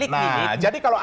nah jadi kalau ada